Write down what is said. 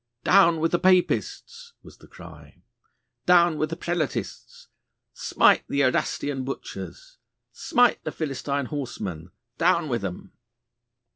'Down with the Papists!' was the cry. 'Down with the Prelatists!' 'Smite the Erastian butchers!' 'Smite the Philistine horsemen!' 'Down with them!